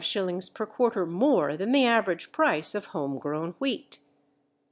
_ per quarter more than the average price of home grown wheat.